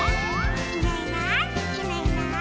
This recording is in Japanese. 「いないいないいないいない」